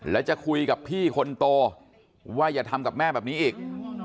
และจะคุยกับพี่คนโตว่าอย่าทำกับแม่แบบนี้อีก